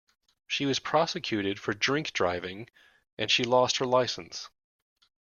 She was prosecuted for drink-driving, and she lost her licence